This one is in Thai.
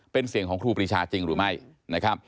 เป็นเสียงของครูปรีชาจริงหรือไม่นะครับ